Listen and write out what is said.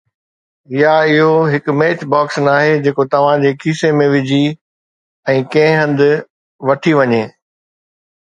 يا اهو هڪ ميچ باڪس ناهي جيڪو توهان جي کيسي ۾ وجهي ۽ ڪنهن هنڌ وٺي وڃي